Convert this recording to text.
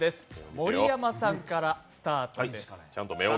盛山さんからスタートです。